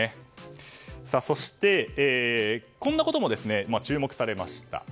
そしてこんなことも注目されました。